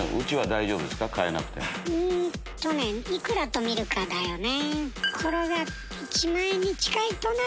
うんとね幾らとみるかだよね。